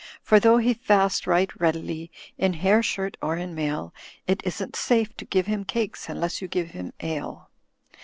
For though he fast right readily In hair shirt or in mail. It isn't safe to give him cakes Unless you give him ale.